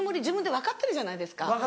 自分で分かってるじゃないですか。